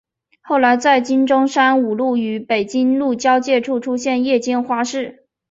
后来在今中山五路与北京路交界处出现夜间花市。